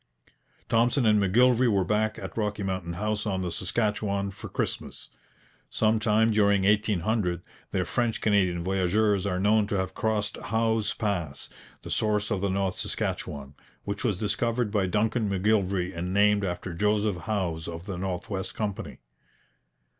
Thompson and M'Gillivray were back at Rocky Mountain House on the Saskatchewan for Christmas. Some time during 1800 their French Canadian voyageurs are known to have crossed Howse Pass, the source of the North Saskatchewan, which was discovered by Duncan M'Gillivray and named after Joseph Howse of the North West Company.